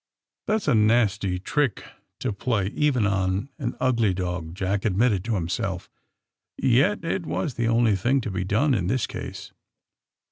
*' That ^s a nasty trick to play, even on an ugly dog/' Jack admitted to himself. *^Yet it was the only thing to be done in this case.